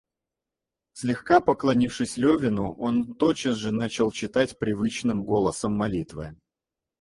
Слегка поклонившись Левину, он тотчас же начал читать привычным голосом молитвы.